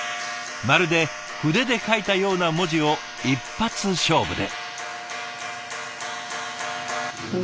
まるで筆で書いたような文字を一発勝負で。